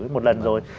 một lần rồi